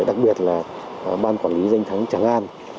đặc biệt là ban quản lý danh thắng tràng an